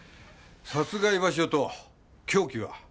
殺害場所と凶器は？